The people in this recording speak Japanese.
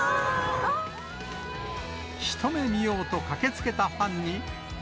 一目見ようと駆けつけたファンに。